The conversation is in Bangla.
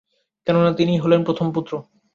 কেননা, তিনিই হলেন প্রথম পুত্র।